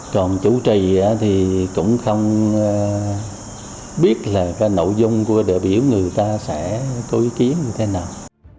còn chủ trì thì cũng không biết là cái nội dung của đại biểu người ta sẽ có ý kiến như thế nào